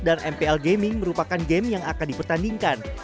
dan mpl gaming merupakan game yang akan dipertandingkan